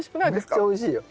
めっちゃおいしいよ。